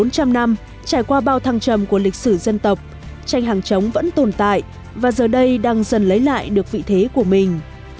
tranh hàng trống vẫn tồn tại và giờ đây đang dần lấy lại được vị thế của mình